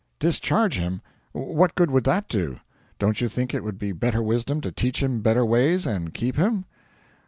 'Discharge him! What good would that do? Don't you think it would be better wisdom to teach him better ways and keep him?'